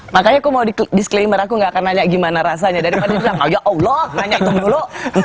makanya aku mau di sclaimer aku gak akan nanya gimana rasanya daripada dia bilang oh ya allah nanya itu dulu